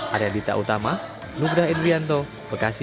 arya dita utama nugraha enrianto bekasi